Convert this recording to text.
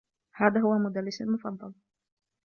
هذا هو مدرّسي المفضّل.